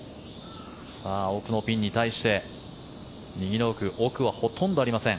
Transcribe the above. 奥のピンに対して右の奥奥はほとんどありません。